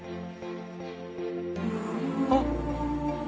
あっ。